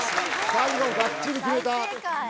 最後ばっちり決めた！